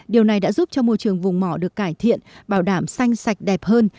điều này đã giúp cho môi trường vùng mỏ được cải thiện bảo đảm xanh sạch đẹp hơn